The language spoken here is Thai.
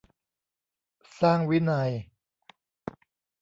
สร้างวินัย